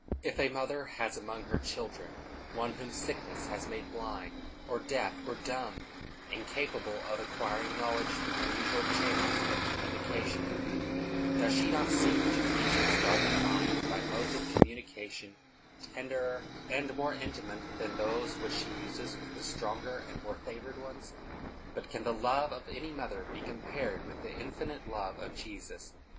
If a mother has among her children one whom sickness has made blind, or deaf, or dumb, incapable of acquiring knowledge through the usual channels of communication, does she not seek to reach its darkened mind by modes of communication tenderer and more intimate than those which she uses with the stronger and more favored ones? But can the love of any mother be compared with the infinite love of Jesus?